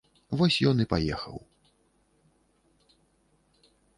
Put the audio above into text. Вось ён і паехаў.